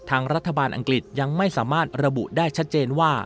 ทางรัฐบาลอังกฤษยังไม่สามารถระบุได้ชัดเจนว่า